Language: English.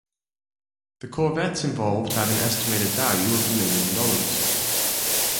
The Corvettes involved have an estimated value of a million dollars.